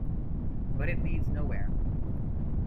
But it leads nowhere.